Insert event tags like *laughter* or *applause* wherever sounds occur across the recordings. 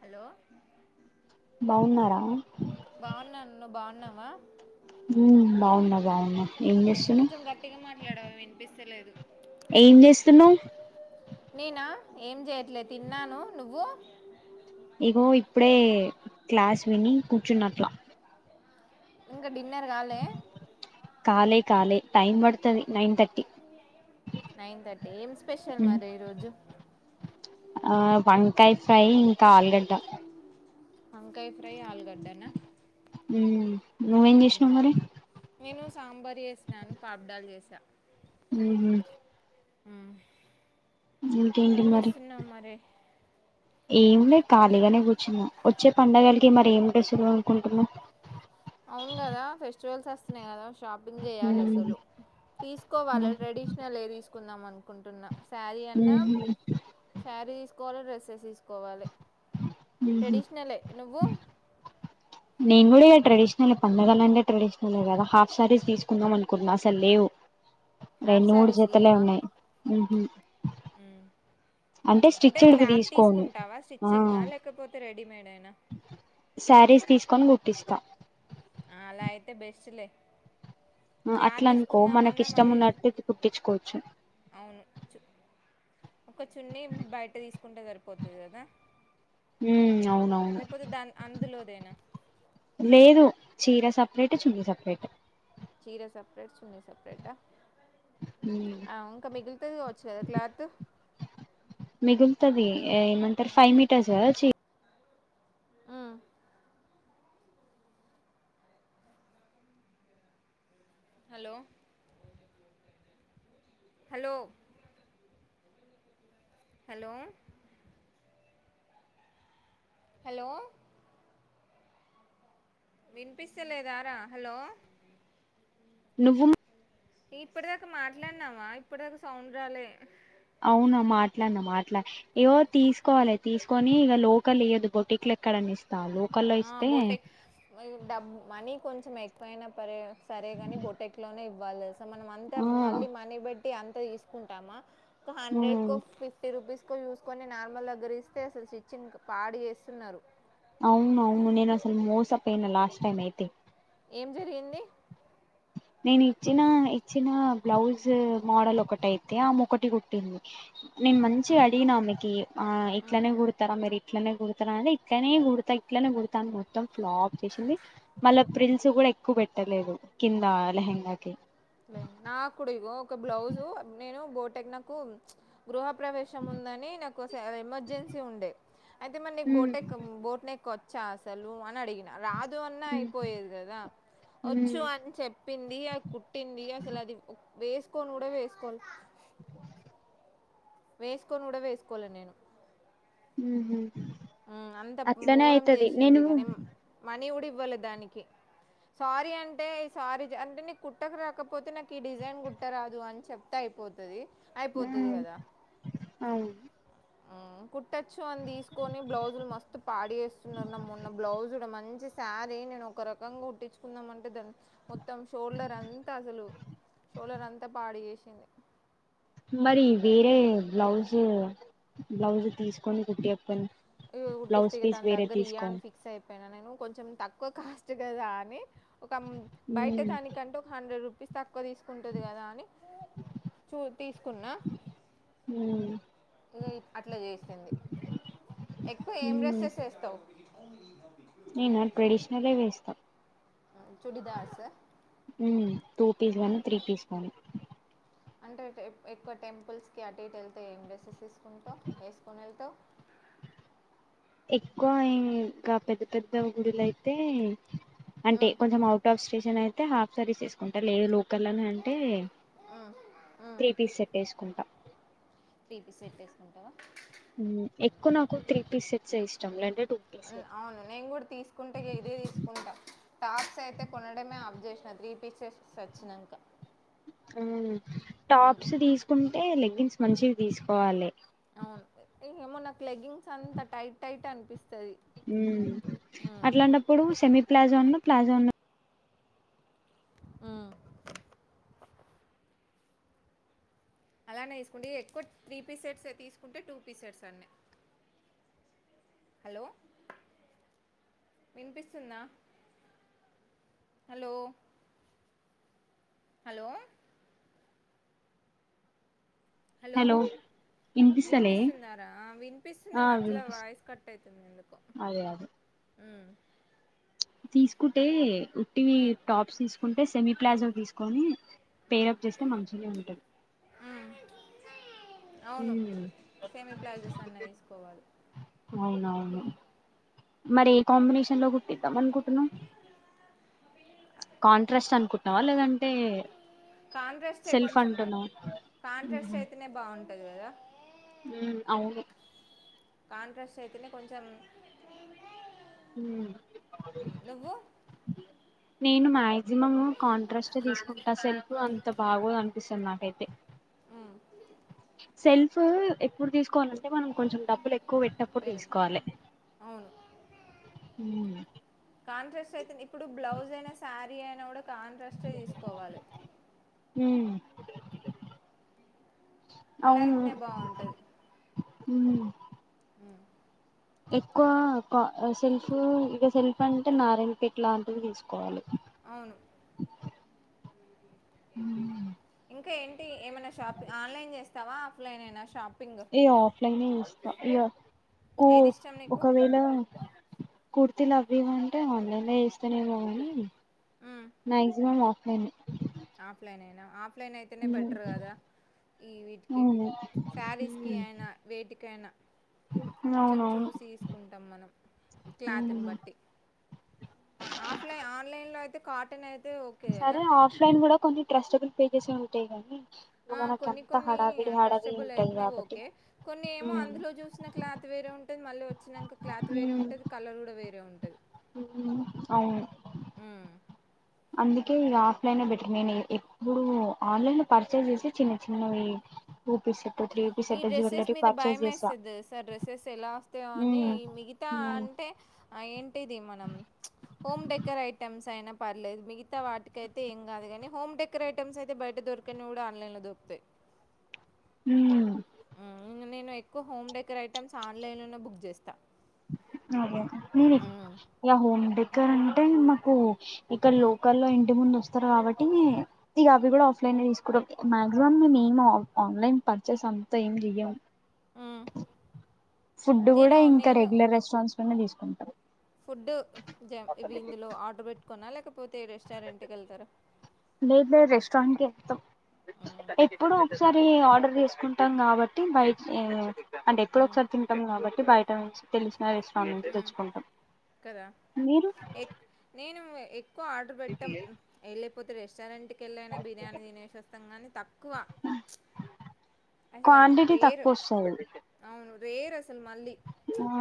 Hello బాగున్నారా బాగున్నాను నువ్ బాగున్నావా ఉ బావున్నా బాగున్నా ఏం చేస్తున్నావ్ యడవో వినిపిస్తలేదు ఏం జెస్తున్నావ్ నేనా ఏం చేయట్లేదు తిన్నాను నువ్వు ఇగో ఇప్పుడే క్లాస్ విని కూర్చున్నట్లా ఇంగ డిన్నర్ కాలె కాలే కాలే టైమ్ పడుతది నైన్ థర్టీ నైన్ థర్టీ ఏం స్పెషల్ మరి ఈ రోజు ఆ వంకాయ ఫ్రై ఇంకా ఆలుగడ్డ వంకాయ ఫ్రై ఆలుగడ్డనా ఉ నువ్వేం జేషినవ్ మరి నేను సాంబార్ చేసినాను పాపిడాలు చేసా ఉహు ఉ ఇంకేంటి ఏం మరి చేస్తున్నావు మరి ఏం లే ఖాళీగానే కూర్చున్నా వచ్చే పండగలకి మరి ఏం డ్రెస్సులు కొనుకుంటున్నావ్ అవును కదా ఫెస్టివల్స్ వస్తున్నాయి కదా షాపింగ్ చేయాలి అసలు ఉమ్ తీసుకోవాల ట్రెడిషనలే తీసుకుందాం అనుకుంటున్నా శారీ ఉ అన్నా హు శారీ కొల డ్రెస్సెస్ తీసుకోవాలి ఉహు ట్రెడిషనలే నువ్వు నేను కూడా ఇగ ట్రెడిషనలే పండగలంటే ట్రెడిషనలె కదా హాఫ్ సారీస్ తీసుకుందాం అనుకున్నా అసలు లేవు యాప్ రెండు మూడు శారీస్ జతలే లేవా ఉన్నాయ్ అంటే స్టిచ్డ్వి క్లాత్ తీసుకోను తీసుకుంటావా ఆ స్టిచ్చింగా లేకపోతే రెడీమేడేనా శారీస్ తీసుకొని గుట్టిస్తా అ అలా అయితే బెస్ట్లే క్లాత్ అట్లా అనుకో మనకి తీసుకుందామన్నా ఇష్టం మళ్ళీ ఉన్నట్టుది కుట్టిచుకోవచ్చు అవును ఒక చున్ని బయట తీసుకుంటే సరిపోతది కదా ఉ అవునవును లేకపోతే దాని అందులోదేనా లేదు చీర సెపరేట్ చున్ని సెపరేట్ చీర సపరేట్ చున్నీ సపరేటా ఉమ్ ఆవ్ ఇంకా మిగిలితది కావచ్చు కదా క్లాత్ తది ఎ ఎమంటరు ఫైవ్ మీటర్స్ కదా చి హలో హలో హలో హలో వినిపిస్తలేదారా హలో నువ్వు ఇప్పటిదాకా మాట్లాడినావా ఇప్పటిదాకా సౌండ్ రాలే అవునా మాట్లాడిన మాట్లా ఇగో తీసుకోవాలే తీసుకొని ఇక లోకలియ్యేదు బోటిక్ లో ఎక్కడన ఆ బొటే ఆ డబ్ మనీ కొంచెం ఎక్కువయినా పరే సరేగాని బొటెక్ లోనే ఇవ్వాలి తెల్సా అంటే ఆ మనీపెట్టీ అంత తీసుకుంటామా ఉమ్ హండ్రెడ్ కో ఫిఫటీ రూపీస్ కో చూసుకొని నార్మల్ దగ్గర ఇస్తే అసలు స్టికింగ్ పాడు చేస్తున్నారు అవునవును నేనసలు మోసపోయిన లాస్ట్ టైమ్ అయితే ఏం జరిగింది నేను ఇచ్చిన ఇచ్చిన బ్లౌజ్ మోడల్ ఒకటైతే ఆమెఒకటి కుట్టింది నేను మంచిగా అడిగిన ఆమెకి ఆ ఇట్లనే కుడతారా మరి ఇట్లనే కుడతను అంటే ఇట్లనే కుడతా ఇట్లనే కుడతా మొత్తం ఫ్లాప్ చేసింది మళ్ళ ప్రిన్స్ కూడా ఎక్కువ పెట్టలేదు కింద లేహంగాకి నాకుడు ఇగో ఒక బ్లౌజు నేను బోటెక్నకు గృహ ప్రవేశం ఉందని నాకు ఎమర్జెన్సీ ఉండే అయితే మరి నీకు ఉమ్ బోటెక్ బొట్నెక్ వచ్ చా అసలు అని అడిగిన రాదు అన్నా ఉమ్ అయిపోయేది కదా ఉమ్ వచ్చు అని చెప్పింది ఆ కు టి అసలు అది వేసుకోని కూడా వేసుకోలే *inaudible* వేసుకొని కూడా వేసుకోలే నేను ఉహ్మ్ ఆ అంత మొరం చేసింది నేను కాని మనీ కూడా ఇవలే దానికి సారీ అంటే ఈ సారీ అంటే నీకు కుట్టక రాకపోతే నాకు ఈ డిజైన్ కుట్టరాదు అని చెప్తాయి పోతది ఉమ్ అవును కుట్టొచ్చు అని తీసుకు ని బ్లౌజులు మస్తు పాడుచేస్తున్నారు మొన్న బ్లౌజ్ మంచి శారీ నేను ఒక రకంగా కుట్టించ చుకుందాం అంటే దా మొత్తం షోల్డర్ అంతా అసలు షోల్డర్ అంతా పాడు చేసింది మరి వేరే బ్లౌజు బ్లౌజు తీసుకొని కుటియకపోయిరా ఇ కుటిస్తే దాని దగ్గరియన్ ఫిక్స్ అయి పోయిన నేను కొంచెం తక్కువ కాస్ట్ కద అని ఒక బయట ఉమ్ దానికంటే ఒక హండ్రెడ్ రూ పీస్ తక్కువ తీసుకుంటది కదా అని చూ తీసుకున్నా ఉమ్ ఇ అట్లా చేసిది ఎక్కువ ఏం డ్రెస్సెస్ వేస్తావు నేన ట్రేషనల్ వేస్తా చుడిదార్స్ టూ పీస్ కానీ త్రీ పీస్ కానీ అంటే ఎక్కువ టెంపుల్స్ కి అటు ఇటు వెళ్తే ఏం డ్రెసెస్ తీసుకుంటావు వేసుకుని వెళ్తావ్ ఎక్కువ ఇంకా పెద్ద పెద్ద గుడులైతే అంటే కొంచెం అవుట్ ఆఫ్ స్ స్టేషన్ అయితే హాఫ్ సరీస్ వేసుకుంటా లేదు లోకల్ అని అంటే త్రీ పీస్ సెట్టేసుకుంటా త్రీపి సెట్ వేసుకుంటావ ఉమ్ ఎక్కువ నాకు త్రీ పీసెట్సే ఇష్టం లేంటే అవును నేను కూడా తీసుకుంటే ఇదే తీసుకుంటా టాప్స్ అయితే కొనడమే ఆబ్ చేసిన త్రీపీ సెట్స్ వచ్చినంక అవును టాప్స్ తీసుకుంటే లెగ్గింగ్స్ మంచివి తీసుకోవాలి అవును ఏమో నాకు లెగ్గిన్స్ అంతా టైట్ టైట్ అన్ అట్లాంటప్పుడు సెమీ ప్లాజో అన్న ప్లాజో అన్న ఆ అలానే తీసుకుంట ఎక్కువ త్రీ పీ సెట్స్ తీసుకుంటే టూ పీసెట్స్ అన్ని హలో వినిపిస్తుందా హలో హలో హలో వినిపిస్తలే వినిపిస్తుందరా వినిపిస్తుంది ఆ మధ్యలో వాయిస్ కట్ అయతుంది ఎందుకు అదు తీసుకుంటే ఉట్టివి ఉమ్, టాప్స్ తీసుకుంటే సెమీ ప్లాజో తీసుకొని ఉమ్, ఫెయిరప్ చేస్తే మంచినే ఉంటది ఉమ్. అవును సేమీ ప్లాజోస్ అన్నా తీసుకోవాలి అవునవును మరి ఏ కాంబినేషన్ లో కుట్టిద్దాం అనుకుంటున్నావ్ కాంట్రాస్ట్ అనుకుంటున్నావా లేదంటే కాంట్రెస్ట్ సెల్ఫ్ కొంచెం అంటున్నావా కాంట్రెస్ట్ అయితేనే బాగుంటది కదా ఉమ్ అవును కాంట్రాక్ట్ అయితేనే కొంచెం నువ్వు నేను మాక్సిమమ్ కాంట్రాస్ట్ తీసుకుంటా సెల్ఫ అంత బాగోదు అనిపిస్తది నాకైతే మ్, సెల్ఫ్ ఎప్పుడు తీసుకోవాలంటే మనం కొంచెం డబ్ లు ఎక్కువ పెట్నప్పుడు వేరేది తీసుకోవాలే అవును కాంట్రాక్ట్ అయితే ఇప్పుడు బ్లౌజ్ అయినా శారీ అయినా కూడా కాంట్రాక్ట్ తీసుకోవాలి మ్మ్ అలా అయితేనే బాగుంటది ఉమ్ ఎక్కువ సెల్ఫ్ ఇక సెల్ఫ్ అంటే నారాయణపేట్ లాంటిది తీసుకోవాలి అవును ఇంకా ఏంటి ఏమైనా షాపి ఆన్లైన్ చేస్తావా ఆఫ్లైన్ యేన షాప్ నేను ఆఫ్లైన్ చేస్తా ఇగ కో ఏది ఇష్టం నీకు ఒకవేళ కుర్తిలు అవివి ఉంటే ఆన్లైన్ లో చేస్తనేమో కానీ మాక్సిమం ఆఫ్ లైన్ ఆఫ్లైనేన ఆఫ్లైన్ అయితేనే బెటర్ కదా ఈ వీటికి అవును శారీస్కె అయిన వేటికి అయిన కొంచెం అవునవును చూసి తీసుకుంటాం మనం క్లాత్ నీ బట్టి ఆఫ్లై ఆన్లైన్ లో అయితే కాటన్ అయి సరే ఆఫ్లైన్ కూడా కొన్ని ట్రస్టబుల్ పేజెసే ఉంటాయి గానీ ఆ కొన్ని కొన్ని ట్రస్టబుల్ ఉంటాయి అయితేనే కాబట్టి ఓకే కొన్ని ఏమో అందులో చూసిన క్లాత్ వే వేరే ఉంటుంది మళ్ళీ వచ్చినాక క్లాత్ వేరే ఉంటది కలర్ కూడా వేరే ఉం అవును అందు కి ఇంగ ఆఫ్లైన్ బెటర్ నేను ఎప్పుడు ఆన్లైన్ లో పర్చేస్ చేసే చిన్న చిన్నవి two piece set three piece ఈ సెట్ డ్రెస్సెస్ జ్యువెలరీ మీద పర్చేస్ చేసా భయంమేస్తది తెల్సా డ్రెస్సెస్ ఎలా వస్తాయో అని ఉమ్ ఈ మిగతా అంటే ఆ ఏంటిది మనం హోమ్ డెకరే ఐటమ్స్ అయినా పర్లేదు మిగతాటికైతే ఏం కాదు గానీ హోమ్ డెకరేటమ్స్ అయితే బయట దొరకనివి కూడా ఆన్లైన్ లో దొరుకుతాయి ఊ ఇంగ నేను ఎక్కువ హోమ్ డెకర్ ఐటమ్స్ ఆన్లై లోనే బుక్ చేస్తా అదే నేను ఉమ్, ఇగ హోమ్ డెకార్ అంటే మాకు ఇక్కడ ఉమ్, లోకల్ల్లో ఇంటి ముందు వస్ తరు కాబట్టి ఇగ అవి కూడా ఆఫ్లైన్ తీసుకుంటాం మాక్సిమం నేనేం ఆన్ ఆన్లైన్ పర్చేస్ అంత ఏం చెయ్యం ఉమ్. ఫుడ్ కూడా నేను ఇంక నేను రెగ్యులర్ రెస్టారెంట్స్ లోనే తీసుకుంటాం ఫుడ్ జ ఇవి ఇందులో ఆర్డర్ పెట్టుకోన లేక పోతే రెస్టారెంట్కి వెళ్తారా స్ట్రాంకె వెళ్తం ఉమ్, ఎప్పుడు ఒకసారి ఆర్డర్ చేసుకుంటాం కాబట్టి బయ్ ఈ అంటే ఎప్పుడొ ఉమ్, ఒకసారి తింటాం కాబట్టి బయట నుంచి తెలుసు నరే స్వామి నుంచి ఉమ్. తెచ్చుకుంటాం కదా మీరు ఎక్ నేను ఎక్కువ ఆర్డర్ పెట్టాం వెళ్ళిపోత రెస్టారెంట్ కెళ్ళైన బిర్యానీ తినేసివస్తాం కానీ తక్కువ అసలు క్వాంటిటీ రేర్ తక్కువ వస్తాది అవును రేర్ అసలు మళ్ళీ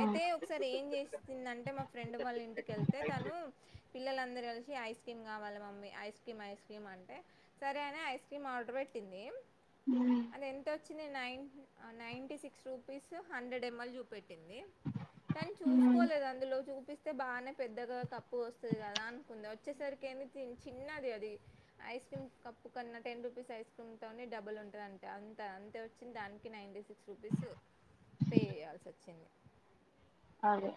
అయితే ఒకసారి ఏం చేసిందంటే మా ఫ్రెండ్ వాళ్ళ ఇంటికెళ్తే తను పిల్లందరు కలిసి ఐస్ క్రీమ్ కావాలి mummy ice cream ice cream అంటే సరే అనే ఐస్ క్రీమ్ ఆర్డర్ పె ట్టింది ఉమ్ అది ఎంత వచ్చింది nine ninety six rupees hundred ML చూపెట్ పెట్టింది తను ఉమ్ చూసుకోలేదు అందులో చూపిస్తే బానే పెద్దగా కప్ ప్ వస్తది కదా అనుకుంది వచ్చేసరికి ఏంది చిన్నది అది ఐస్ క్రీమ్ కప్పు కన్నా టెన్ రూపీస్ ఐస్ క్రీమ్తోనే డబుల్ ఉంటదం అంత అంతే వచ్చింది దానికి నైంటీ సిక్స్ రూపీస్ పే చేయాల్సి వచ్చింది అదే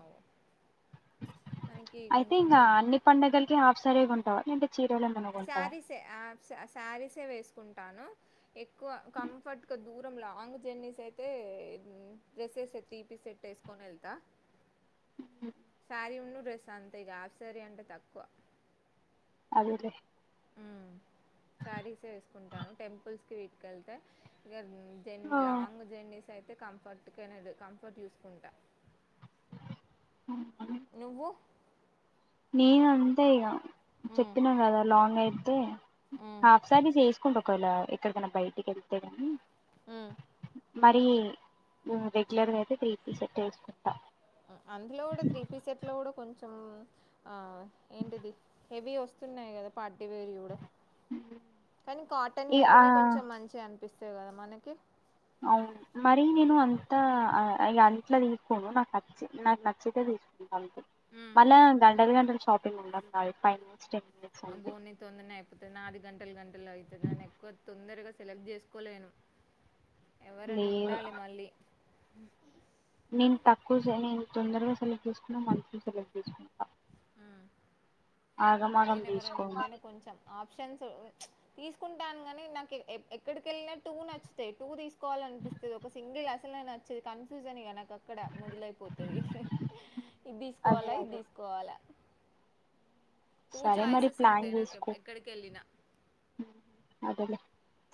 అవు మనకి అయితే కొంచెం ఇంగ అన్ని పండగలకి హాఫ్ శారీ గొంటావ లేంటే చేరలేమైన కొంటావ శారీసే శారీసే వేసుకుంటాను ఎక్కువ కంఫర్ట్గా దూరం లాంగ్ జర్నీస్ అయితే డ్రెస్సెసే త్రీ పీస్ సెట్ వేసుకొని వెళ్తా అరున్ను డ్రెస్ అంతే ఇగ హాఫ్ సారి అంటే తక్కువ అదేలే ఉమ్ శారీసే వేసుకుంటాను టెంపుల్స్ కి వీట్కెళ్తే ఇ జన్ ఆ లాంగ్ జర్నీస్ అయితే కంఫర్ట్ కె కంఫర్ట్ చూసుకుంటా అవ్నా నువ్వు నేను అంతే ఇగ హ్మ్ చెప్పినా కదా లాంగ్ అయ్ హ్మ్ హాఫ్ సారీస్ వేసుకుంట ఒకవేళ ఎక్కడికైనా బయటికి ఎళ్తే గని ఉ మరి రెగ్యులర్గా అయితే త్రీ పీస్ సెట్ ఎసుకుంటా అందులో కూడా త్రీపీ సెట్ లో కూడా కొంచెం కొ ఆ ఏంటిది హెవీ వస్తున్నాయి కదా ప కానీ ఈ కాటనియి ఆ అయితేనే కొంచెం మంచిగా అనిపిస్తది కదా మనకి అవును మరి నేను అంతా ఇగ అట్ల తీసుకోను నాకచ్చి నాకు నచ్చితే తీసు హ్మ్ మళ్ళా గంటలు గంటలు షాపింగ్ ఉండది నాది టెన్ మినిట్స్ ఆ అంతే బోని తొందరనే అయిపోతది నాది గంటలు గంటలు అయితుంది నేను ఎక్కువ తొందరగా సెలెక్ట్ చేసుకోలేను ఎవరన్న లేదు ఉండాలి మళ్ళీ నేను తక్కువ నేను తొందరగా సెలెక్ట్ చేసుకున్న మంచియి సెలెక్ట్ చేసుకుంటా ఆగమాగం నేను ఎవరనా తీసుకోను ఉంటేనే కొంచెం ఆప్షన్స్ తీసుకుంటాను గాని నాకు ఎ ఎక్కడిక వెళ్ళినా టూ నచ్చుతాయి టూ తీసుకు కోవాల అనిపిస్తది ఒక సింగి అసలే నచ్చది కన్ఫ్యూజన్ ఇగ నా అక్కడ మొదలైపోతది ఇది అదే తీసుకోవాల ఇది అదే తీసుకోవాలా టూ సరే మరి చాయిసెస్ ప్లాన్ ఉంటాయి నాకు చేస్కో ఎప్- ఎక్కడికి వెళ్ళినా అదెలె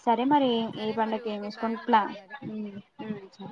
సరే మరి ఏ ఏ సరే మరి పండక్కి ఏమి ఓకే బాయ్ వేసుకోవాలి ప్లా ఉంటాను మరి ఉ ఉ